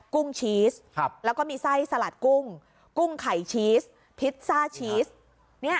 กุ้งชีสแล้วก็มีไส้สลัดกุ้งกุ้งไข่ชีสพิซซ่าชีสเนี่ย